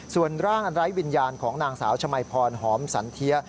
ส่วนร่างอันไร้วิญญาณของนางสาวชมัยพรหอมสันเทีย